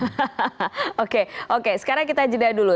hahaha oke oke sekarang kita jeda dulu